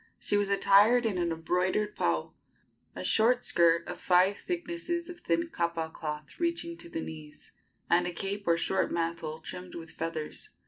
She was attired in an embroidered pau a short skirt of five thicknesses of thin kapa cloth reaching to the knees and a cape or short mantle trimmed with feathers.